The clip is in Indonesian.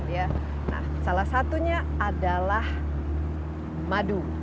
nah salah satunya adalah madu